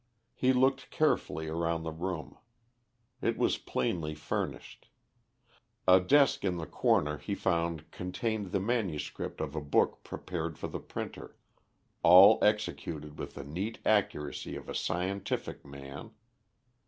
He looked carefully around the room. It was plainly furnished. A desk in the corner he found contained the MS. of a book prepared for the printer, all executed with the neat accuracy of a scientific man.